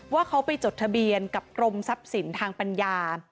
ว่าเขาไปจดทะเบียนกับกรมทรัพย์สินทางปัญญา